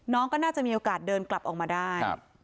น้องก็น่าจะมีโอกาสเดินกลับออกมาได้